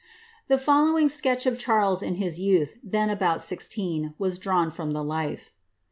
The following sketch of Charles in his youth, then about sixteen, was drawn from the life.